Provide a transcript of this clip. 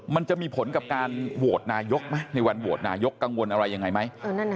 มันจะมีผลกับการโหวตนายกไหมในวันโหวตนายกกังวลอะไรยังไงไหม